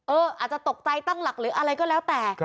อาจจะตกใจตั้งหลักหรืออะไรก็แล้วแต่